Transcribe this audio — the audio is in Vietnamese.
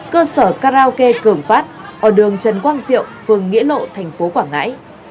cơ sở karaoke cường phát ở đường trần quang diệu phường nghĩa lộ tp quảng ngãi